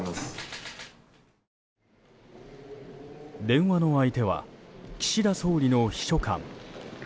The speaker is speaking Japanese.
電話の相手は岸田総理の秘書官。